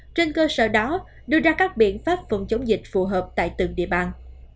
trên cơ sở đó đưa ra các biện pháp phòng chống dịch phù hợp tại từng địa bàn